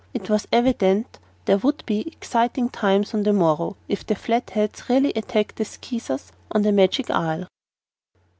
It was evident there would be exciting times on the morrow, if the Flatheads really attacked the Skeezers of the Magic Isle.